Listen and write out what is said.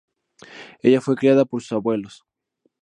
Ella fue criada por sus abuelos.